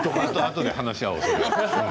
後で話し合おうそれは。